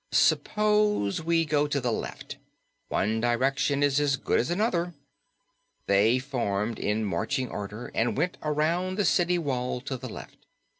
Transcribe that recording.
"Suppose we go to the left. One direction is as good as another." They formed in marching order and went around the city wall to the left.